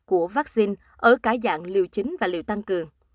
của vaccine ở cả dạng liều chính và liều tăng cường